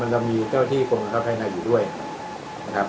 มันก็มีเจ้าที่ควรกระทับภายในอยู่ด้วยนะครับ